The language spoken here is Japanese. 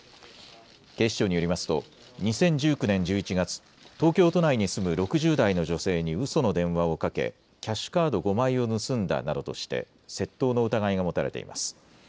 警視庁によりますと、２０１９年１１月、東京都内に住む６０代の女性にうその電話をかけ、キャッシュカード５枚を盗んだなどとして、窃盗の疑いが持たれています。